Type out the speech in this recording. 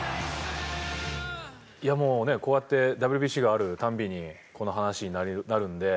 いやもうねこうやってＷＢＣがある度にこの話になるんで。